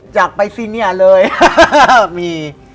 อยากไปซีเนียเลยมี